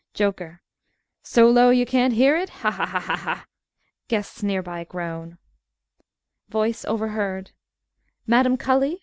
JOKER So low you can't hear it? Ha, ha! (Guests near by groan.) VOICE (overheard) Madame Cully?